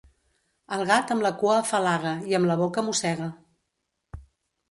El gat amb la cua afalaga i amb la boca mossega.